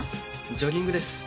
ジョギングです。